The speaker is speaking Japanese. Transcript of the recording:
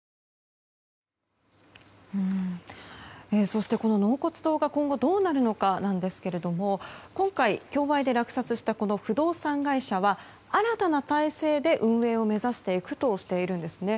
そして、この納骨堂が今後どうなるかですが今回、競売で落札したこの不動産会社は新たな体制で運営を目指していくとしているんです。